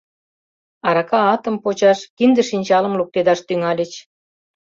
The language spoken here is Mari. Арака атым почаш, кинде-шинчалым луктедаш тӱҥальыч.